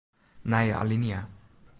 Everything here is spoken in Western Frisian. Nije alinea.